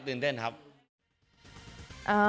ตื่นเต้นครับครับ